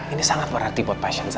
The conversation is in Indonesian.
ini sangat berarti buat pasien